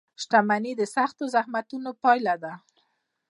• شتمني د سختو زحمتونو پایله ده.